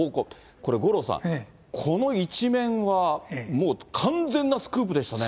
これ五郎さん、この１面はもう完全なスクープでしたね。